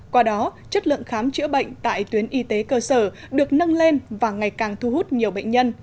qua đó chất lượng khám chữa bệnh tại tuyến y tế cơ sở được nâng lên và ngày càng thu hút nhiều bệnh nhân